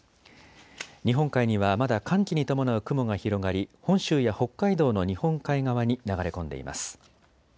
日本海にはまだ寒気に伴う雲が広がり本州や北海道の日本海側に流れ込んでいます。